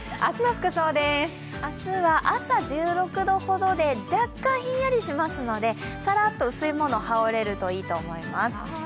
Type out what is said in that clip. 明日は朝１６度ほどで若干ひんやりしますので、さらっと薄いものを羽織れるといいと思います。